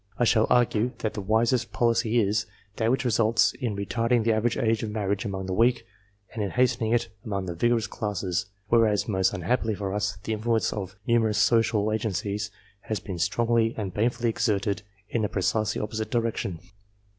I shall argue that the wisest policy is that which results * in retarding the average age of marriage among the weak, and in hastening it among the vigorous classes ; whereas, most unhappily for us, the influence of numerous social agencies has been strongly and banefully exerted in the precisely opposite direction.